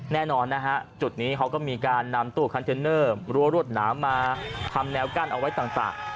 แน่นอนนะฮะจุดนี้เขาก็มีการนำตู้คอนเทนเนอร์รั้วรวดหนามมาทำแนวกั้นเอาไว้ต่าง